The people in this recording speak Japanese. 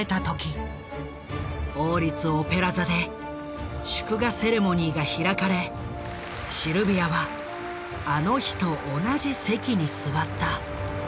王立オペラ座で祝賀セレモニーが開かれシルビアはあの日と同じ席に座った。